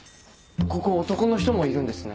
ここ男の人もいるんですね。